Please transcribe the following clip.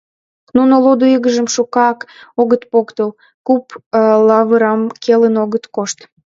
Нуно лудо игыжым шукак огыт поктыл, куп лавырам келын огыт кошт.